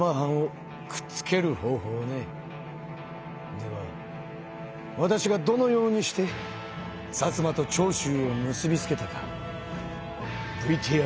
ではわたしがどのようにして薩摩と長州を結び付けたかＶＴＲで。